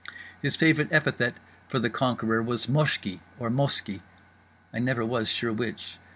His favourite epithet for the conqueror was "moshki" or "moski" I never was sure which.